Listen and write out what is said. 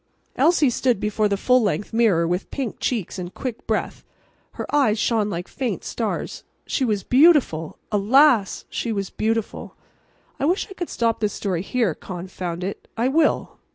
Elsie stood before the full length mirror with pink cheeks and quick breath. Her eyes shone like faint stars. She was beautiful. Alas! she was beautiful. I wish I could stop this story here. Confound it! I will.